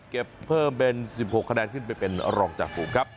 เก็บเพิ่มเป็น๑๖คะแนนขึ้นไปเป็นรองจากฝูงครับ